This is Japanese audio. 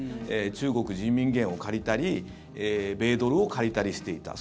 中国・人民元を借りたり米ドルを借りたりしていた。